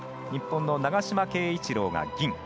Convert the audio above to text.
日本の長島圭一郎が銀。